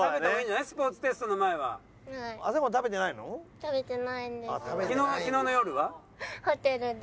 食べてないんですよ。